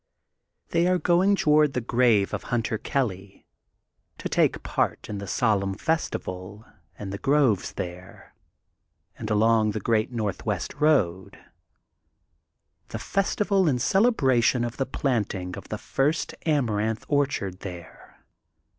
They are going toward the grave of Hunter Kelly, to take part in the solemn festival in the groves there, and along the great North west Road, the festival in celebration of the planting of the first Amaranth orchard there.